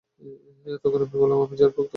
তখন আমি বললাম, আমি ঝাড়-ফুঁক করাই।